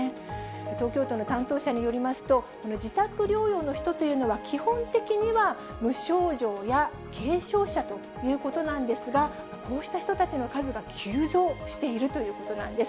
東京都の担当者によりますと、自宅療養の人というのは、基本的には無症状や軽症者ということなんですが、こうした人たちの数が急増しているということなんです。